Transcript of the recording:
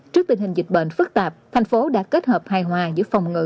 trước tình hình dịch bệnh phức tạp thành phố đã kết hợp hài hòa giữa phòng ngừa